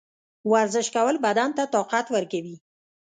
ورزش کول بدن ته طاقت ورکوي.